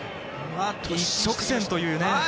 一直線というね。